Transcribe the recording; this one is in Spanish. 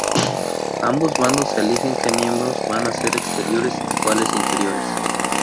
Ambos bandos eligen que miembros van a ser exteriores y cuáles interiores.